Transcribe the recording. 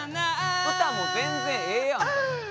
歌も全然ええやん！